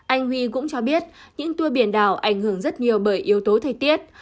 anh huy cũng cho biết những tour biển đảo ảnh hưởng rất nhiều bởi yếu tố thời tiết